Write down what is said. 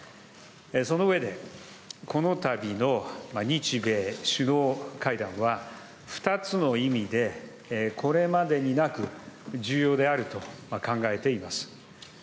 その上で、この度の日米首脳会談は、２つの意味でこれまでになく重要であると考えています。